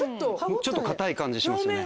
ちょっと硬い感じしますね。